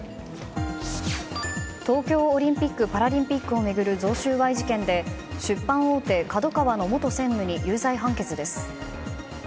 東京オリンピック・パラリンピックを巡る贈収賄事件で、出版大手ＫＡＤＯＫＡＷＡの元専務に有罪判決です。